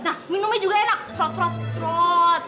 nah minumnya juga enak srot srot srot